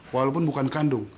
walaupun bukan kandung